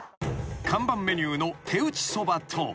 ［看板メニューの手打ちそばと］